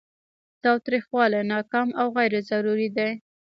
تاوتریخوالی ناکام او غیر ضروري دی.